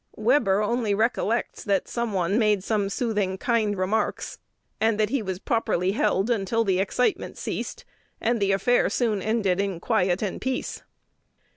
Webber only recollects that "some one made some soothing, kind remarks," and that he was properly "held until the excitement ceased," and the affair "soon ended in quiet and peace."